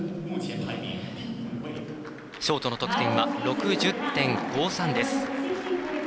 ショートの得点は６０．５３です。